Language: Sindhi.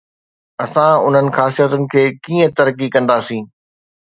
اسان انهن خاصيتن کي ڪيئن ترقي ڪنداسين؟